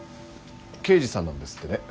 刑事さんなんですってね。